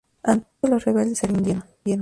Ante eso, los rebeldes se rindieron.